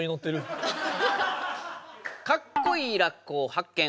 カッコいいラッコを発見！